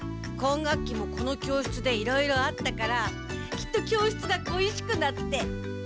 今学期もこの教室でいろいろあったからきっと教室がこいしくなって。